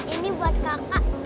ini buat kakak